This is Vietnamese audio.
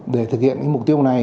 để thực hiện mục tiêu này